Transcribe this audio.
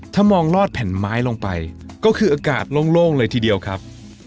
ถ้ามองลอดแผ่นไม้ลงไปก็คืออากาศโล่งเลยทีเดียวครับ